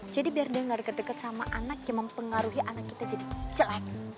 jadi biar dia gak deket deket sama anak yang mempengaruhi anak kita jadi jelek